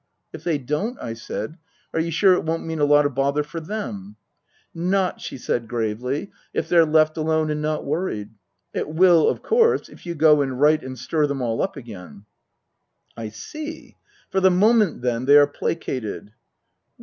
" If they don't," I said, " are you sure it won't mean a lot of bother for them P "" Not," she said gravely, " if they're left alone and not worried. It will, of course, if you go and write and stir them all up again." " I see. For the moment, then, they are placated